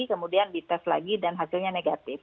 kemudian dites lagi dan hasilnya negatif